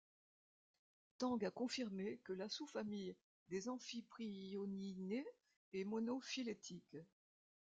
Tang a confirmé que la sous-famille des Amphiprioninae est monophylétique.